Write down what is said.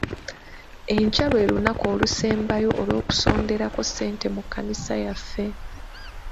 Enkya lwe lunaku olusembayo olw'okusonderako ssente mu kkanisa yaffe.